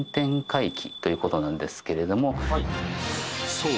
［そう。